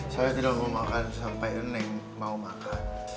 saya tidak mau makan sampai neng mau makan